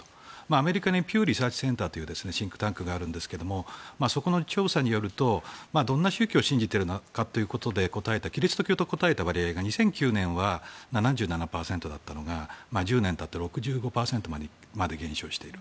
アメリカにピュー・リサーチ・センターというシンクタンクがあるんですがそこの調査によるとどんな宗教を信じているのかということでキリスト教と答えた割合が２００９年は７７％だったのが１０年たって６５％にまで減少している。